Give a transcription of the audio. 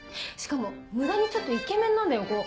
しかも無駄にちょっとイケメンなんだよ。